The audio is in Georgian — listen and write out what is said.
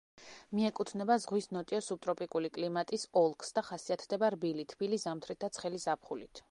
მიეკუთვნება ზღვის ნოტიო სუბტროპიკული კლიმატის ოლქს და ხასიათდება რბილი, თბილი ზამთრით და ცხელი ზაფხულით.